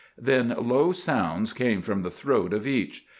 Then low sounds came from the throat of each.